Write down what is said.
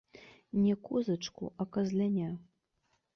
Не козачку, а казляня.